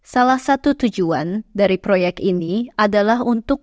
salah satu tujuan dari proyek ini adalah untuk